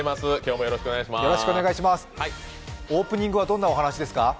オープニングはどんなお話ですか？